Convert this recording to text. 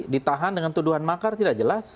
ditahan dengan tuduhan makar tidak jelas